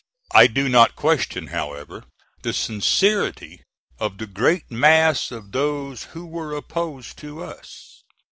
I do not question, however, the sincerity of the great mass of those who were opposed to us.